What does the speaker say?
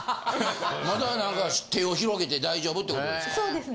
まだなんか手を広げて大丈夫ってことですか？